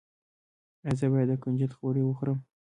ایا زه باید د کنجد غوړي وخورم؟